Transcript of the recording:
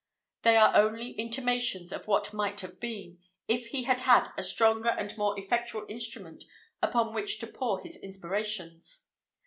They are only intimations of what might have been, if he had had a stronger and more effectual instrument upon which to pour his inspirations.